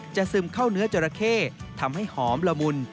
ซึมเข้าเนื้อจราเข้ทำให้หอมละมุน